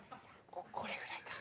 これぐらいか。